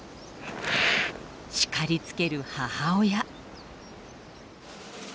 叱りつける母親。